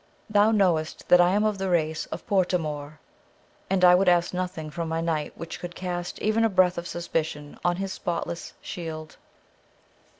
Thou knowest that I am of the race of Portamour, and I would ask nothing from my knight which could cast even a breath of suspicion on his spotless shield."